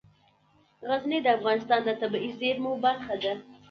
غزني د افغانستان د طبیعي زیرمو برخه ده.